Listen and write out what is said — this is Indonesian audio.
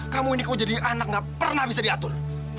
kamu ini kamu jadi anak nggak pernah bisa diatur